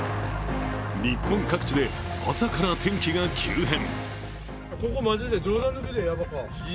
日本各地で朝から天気が急変。